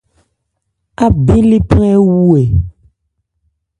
Abɛn lephan ɛ wu ɛ̀ ?